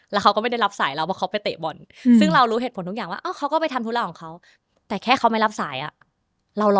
แล้วเขาก็ไม่ได้รับสายเราเพราะเขาไปเตะบอล